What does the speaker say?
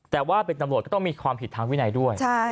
แต่ว่าเป็นตำรวจก็ต้องมีความผิดทางวินัยด้วย